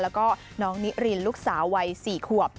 แล้วก็น้องนิรินลูกสาววัย๔ขวบ